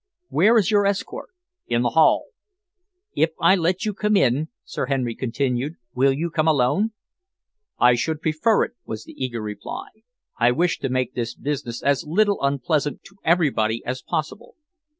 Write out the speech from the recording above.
"Where is your escort?" "In the hall." "If I let you come in," Sir Henry continued, "will you come alone?" "I should prefer it," was the eager reply. "I wish to make this business as little unpleasant to to everybody as possible."